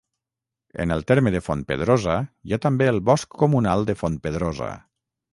En el terme de Fontpedrosa hi ha també el Bosc Comunal de Fontpedrosa.